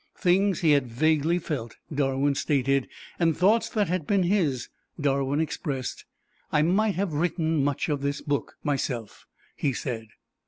Things he had vaguely felt, Darwin stated, and thoughts that had been his, Darwin expressed. "I might have written much of this book, myself," he said.